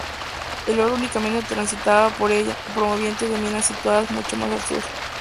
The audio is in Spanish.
El oro únicamente transitaba por ella, proveniente de minas situadas mucho más al sur.